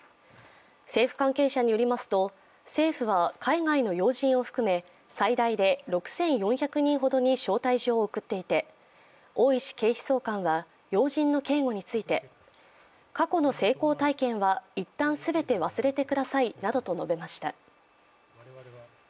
政府関係者によりますと政府は海外の要人を含め最大で６４００人ほどに招待状を送っていて大石警視総監は要人の警護について過去の成功体験はいったんすべて忘れてくださいなどと述べました。